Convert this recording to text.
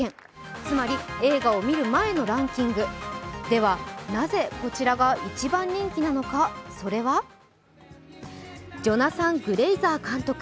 つまり、映画を見る前のランキングではなぜこちらが一番人気なのか、それはジョナサン・グレイザー監督。